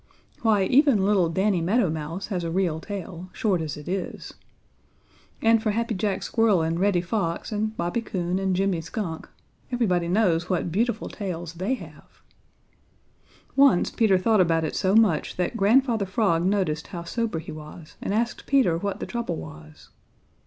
Why, even little Danny Meadow Mouse has a real tail, short as it is. And as for Happy Jack Squirrel and Reddy Fox and Bobby Coon and Jimmy Skunk, everybody knows what beautiful tails they have. Once Peter thought about it so much that Grandfather Frog noticed how sober he was and asked Peter what the trouble was.